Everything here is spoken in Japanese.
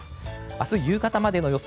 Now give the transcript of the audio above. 明日夕方までの予想